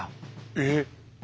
えっ。